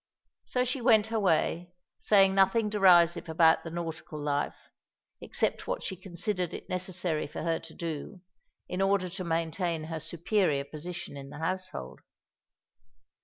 So she went her way, saying nothing derisive about the nautical life, except what she considered it necessary for her to do, in order to maintain her superior position in the household.